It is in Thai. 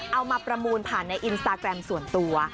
เอามาประมูลผ่านในอินสตาแกรมส่วนตัว